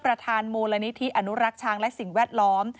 ประธานโมรณิธีอนุรัชชางและสิ่งแวดล้อม